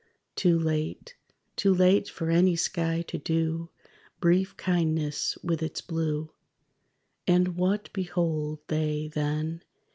Too late, too late for any sky to do Brief kindness with its blue. And what behold they, then?